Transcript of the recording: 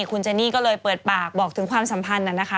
คุณเจนี่ก็เลยเปิดปากบอกถึงความสัมพันธ์นะคะ